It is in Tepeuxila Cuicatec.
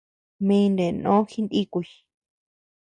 Mi ndenó jinikuy.